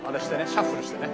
シャッフルしてね。